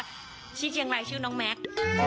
พี่เชียงรายชื่อน้องมาค